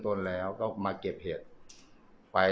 ตอนนี้ก็ไม่มีอัศวินทรีย์